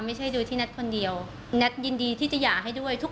ไม่ใช่โดยที่แท็ตคนเดียวแน็ตยินดีที่จะหย่าให้ด้วยทุก